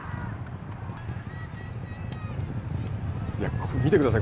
これ、見てください。